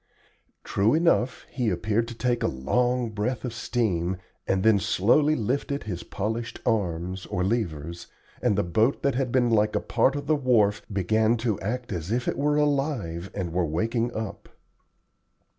True enough, he appeared to take a long breath of steam, and then slowly lifted his polished arms, or levers, and the boat that had been like a part of the wharf began to act as if it were alive and were waking up.